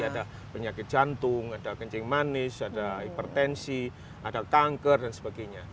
ada penyakit jantung ada kencing manis ada hipertensi ada kanker dan sebagainya